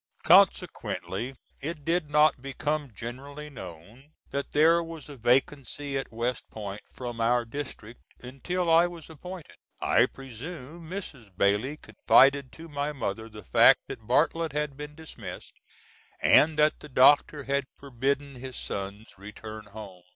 Consequently it did not become generally known that there was a vacancy at West Point from our district until I was appointed. I presume Mrs. Bailey confided to my mother the fact that Bartlett had been dismissed, and that the doctor had forbidden his son's return home.